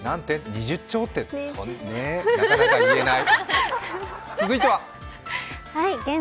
２０兆って、なかなか言えない。